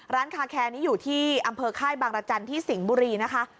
ร้านคาแคร์นี้อยู่ที่อำเภอค่ายบางรจันทร์ที่สิงห์บุรีนะคะ